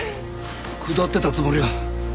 下ってたつもりが。